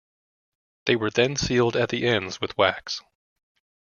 They were then sealed at the ends with wax.